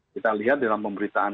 kita lihat dalam pemberitaan